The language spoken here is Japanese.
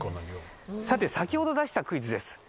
先ほど出したクイズです。